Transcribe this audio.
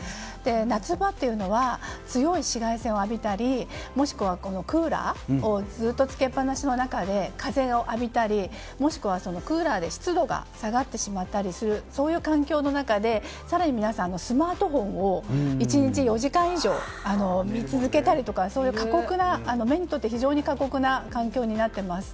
夏場というのは強い紫外線を浴びたりもしくはクーラーをずっとつけっぱなしの中で風を浴びたりもしくはクーラーで湿度が下がってしまったりするそういう環境の中で更に皆さん、スマートフォンを１日４時間以上見続けたりとか目にとって非常に過酷な環境になっています。